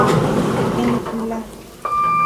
En La.